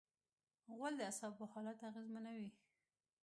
غول د اعصابو حالت اغېزمنوي.